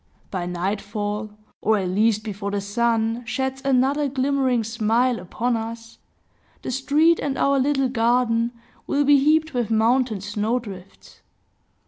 By nightfall, or at least before the sun sheds another glimmering smile upon us, the street and our little garden will be heaped with mountain snow drifts.